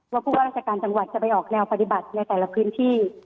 ผู้ว่าราชการจังหวัดจะไปออกแนวปฏิบัติในแต่ละพื้นที่